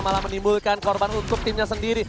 malah menimbulkan korban untuk timnya sendiri